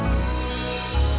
kalau kamu ped affogat